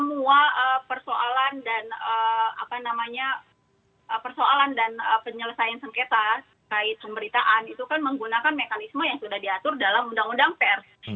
semua persoalan dan persoalan dan penyelesaian sengketa kait pemberitaan itu kan menggunakan mekanisme yang sudah diatur dalam undang undang pers